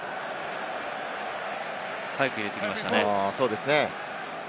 早く入れてきましたね。